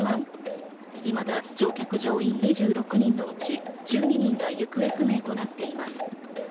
いまだ乗客乗員２６人のうち、１２人が行方不明となっています。